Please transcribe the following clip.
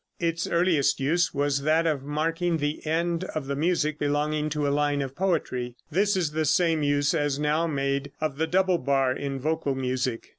Its earliest use was that of marking the end of the music belonging to a line of poetry. This is the same use as now made of the double bar in vocal music.